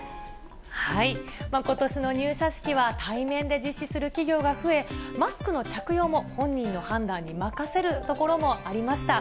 ことしの入社式は対面で実施する企業が増え、マスクの着用も本人の判断に任せるところもありました。